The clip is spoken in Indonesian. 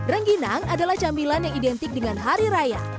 rengginang adalah camilan yang identik dengan hari raya